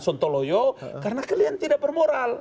sontoloyo karena kalian tidak bermoral